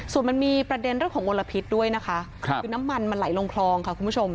ส่วนมันมีประเด็นเรื่องของมลพิษด้วยนะคะคือน้ำมันมันไหลลงคลองค่ะคุณผู้ชม